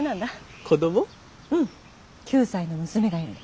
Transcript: うん９歳の娘がいるの。